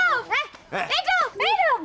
lu gua bawa lu